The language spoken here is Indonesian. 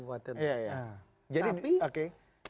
ada dua kabupaten